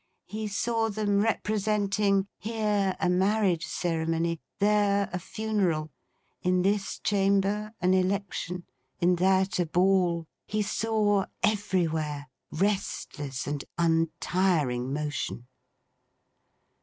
He saw them representing, here a marriage ceremony, there a funeral; in this chamber an election, in that a ball he saw, everywhere, restless and untiring motion.